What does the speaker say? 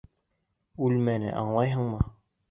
Үлмәне, аңлайһыңмы?